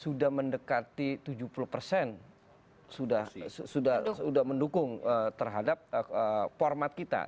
sudah mendekati tujuh puluh persen sudah mendukung terhadap format kita